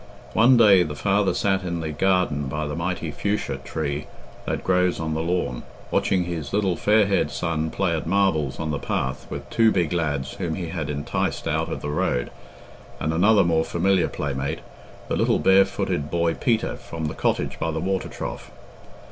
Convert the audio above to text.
One day the father sat in the garden by the mighty fuchsia tree that grows on the lawn, watching his little fair haired son play at marbles on the path with two big lads whom he had enticed out of the road, and another more familiar playmate the little barefooted boy Peter, from the cottage by the water trough.